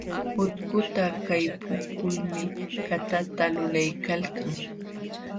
Utkuta kaypuykulmi katata lulaykalkan.